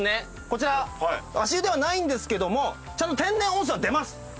こちら足湯ではないんですけどもちゃんと天然温泉は出ます！